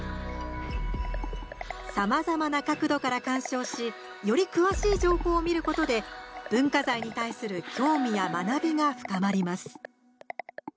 さまざまな角度から鑑賞しより詳しい情報を見ることで文化財に対する興味や学びが深まります。